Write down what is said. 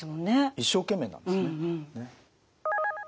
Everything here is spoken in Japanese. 一生懸命なんですね。